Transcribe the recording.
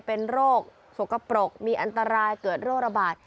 เป็นโรคสกปรกมีอันตรายเกิดโรคระบาด